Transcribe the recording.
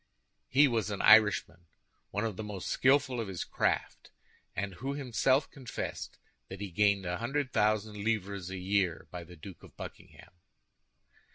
He was an Irishman—one of the most skillful of his craft, and who himself confessed that he gained a hundred thousand livres a year by the Duke of Buckingham.